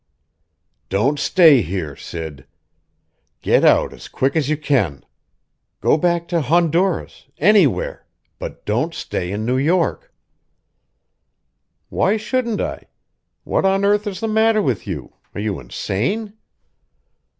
"Don't stay here, Sid. Get out as quick as you can! Go back to Honduras anywhere but don't stay in New York." "Why shouldn't I? What on earth is the matter with you? Are you insane?"